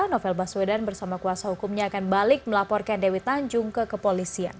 novel baswedan bersama kuasa hukumnya akan balik melaporkan dewi tanjung ke kepolisian